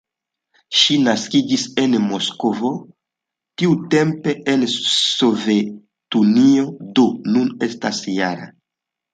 Ŝi naskiĝis en Moskvo, tiutempe en Sovetunio, do nun estas -jara.